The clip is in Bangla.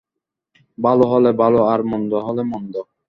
ভালো হলে ভালো আর মন্দ হলে মন্দ।